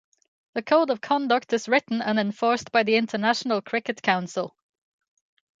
The Code of Conduct is written and enforced by the International Cricket Council.